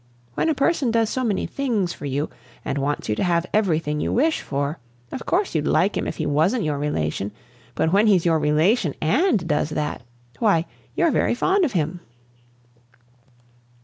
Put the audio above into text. When a person does so many things for you, and wants you to have everything you wish for, of course you'd like him if he wasn't your relation; but when he's your relation and does that, why, you're very fond of him."